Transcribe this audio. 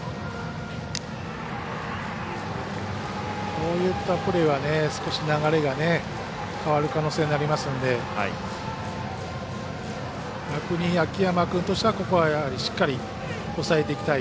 こういったプレーは、少し流れが変わる可能性がありますので秋山君としてはしっかり抑えていきたい。